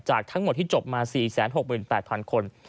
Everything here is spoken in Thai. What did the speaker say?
ทั้งหมดที่จบมา๔๖๘๐๐คน